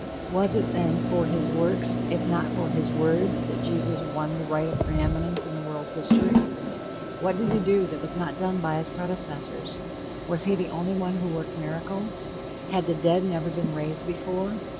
Was it, then, for his "works," if not for his "words," that Jesus "won the right of preeminence in the world's history"? What did he do that was not done by his predecessors? Was he the only one who worked miracles? Had the dead never been raised before?